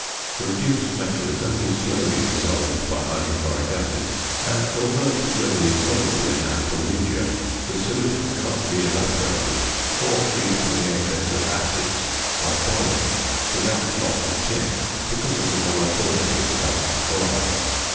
The reduced metal is only slowly dissolved by hydrochloric acid, and although it is readily soluble in aqua regia, the solution cannot be evaporated or freed from the excess of acids, by boiling, without loss of tin, because of the volatility of stannic chloride.